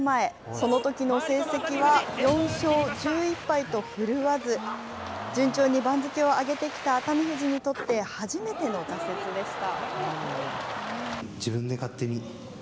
そのときの成績は４勝１１敗と振るわず順調に番付を上げてきた熱海富士にとって初めての挫折でした。